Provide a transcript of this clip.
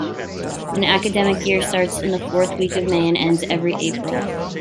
An academic year starts in the fourth week of May and ends every April.